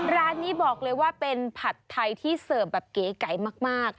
ร้านนี้บอกเลยว่าเป็นผัดไทยที่เสิร์ฟแบบเก๋ไก่มาก